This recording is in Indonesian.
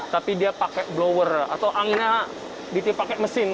tapi dia pakai blower atau anginnya ditiuplah pakai mesin